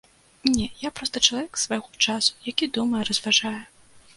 Не, я проста чалавек свайго часу, які думае, разважае.